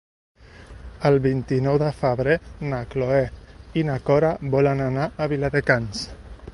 El vint-i-nou de febrer na Cloè i na Cora volen anar a Viladecans.